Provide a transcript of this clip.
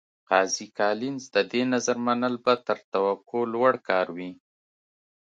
قاضي کالینز د دې نظر منل به تر توقع لوړ کار وي.